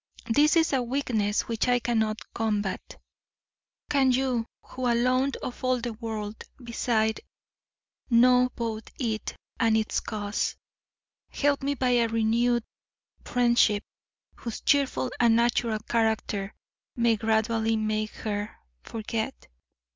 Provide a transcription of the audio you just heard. This is a weakness which I cannot combat. Can you, who alone of all the world beside know both it and its cause, help me by a renewed friendship, whose cheerful and natural character may gradually make her forget?